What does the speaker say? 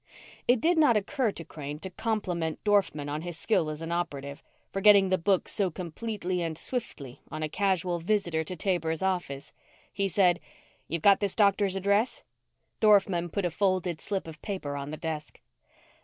It did not occur to Crane to compliment Dorfman on his skill as an operative, for getting the book so completely and swiftly on a casual visitor to Taber's office. He said, "You've got this doctor's address?" Dorfman put a folded slip of paper on the desk.